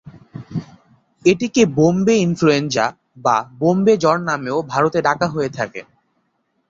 এটিকে "বোম্বে ইনফ্লুয়েঞ্জা" বা "বোম্বে জ্বর" নামেও ভারতে ডাকা হয়ে থাকে।